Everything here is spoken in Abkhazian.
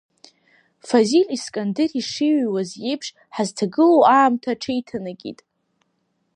Фазиль Искандер ишиҩуаз еиԥш, ҳазҭагылоу аамҭа аҽеиҭанакит.